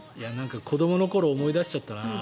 子どもの頃を思い出しちゃったな。